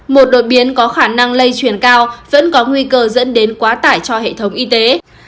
một đột biến có khả năng lây truyền cao vẫn có nguy cơ dẫn đến quá tải cho hệ thống y tế